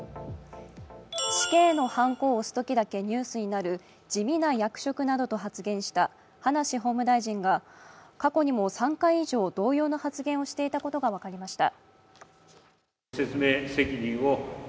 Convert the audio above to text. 「死刑のはんこを押すときだけニュースになる地味な役職」などと発言した葉梨法務大臣が過去にも３回以上同様の発言をしていたことが分かりました。